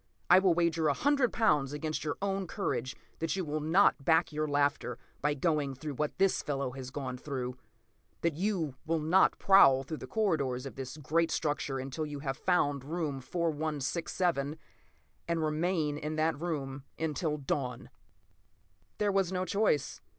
I will wager a hundred pounds against your own courage that you will not back your laughter by going through what this fellow has gone through. That you will not prowl through the corridors of this great structure until you have found room 4167—and remain in that room until dawn!" There was no choice.